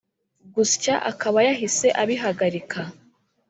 gusya akabayahise abihagarika